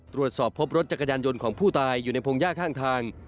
ตรวจสอบพบรถจักรยานยนต์ของผู้ตายอยู่ในพงหญ้าข้างทาง